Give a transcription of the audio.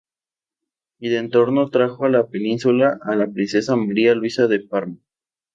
Y de retorno, trajo a la península a la princesa María Luisa de Parma.